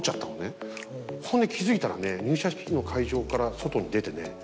ほんで気付いたらね入社式の会場から外に出てね。